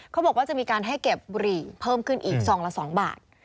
เขาบอกว่าจะมีการให้เก็บบุหรี่เพิ่มขึ้นอีกซองละ๒บาท